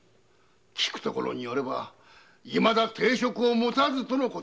聞くところによれば定職を持たぬとの事。